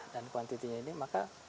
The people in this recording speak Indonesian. dan kuantitinya ini maka